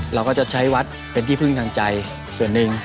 เราก็จะใช้วัดเป็นที่พึ่งทางใจส่วนหนึ่ง